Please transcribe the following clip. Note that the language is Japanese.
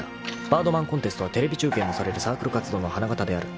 ［「バードマンコンテスト」はテレビ中継もされるサークル活動の花形である］